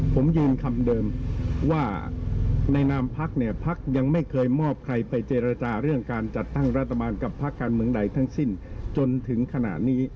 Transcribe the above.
ผมยืนคำเดิมว่าในนามพักเนี่ยพักยังไม่เคยมอบใครไปเจรจาเรื่องการจัดตั้งรัฐบาลกับพักการเมืองใดทั้งสิ้นจนถึงขณะนี้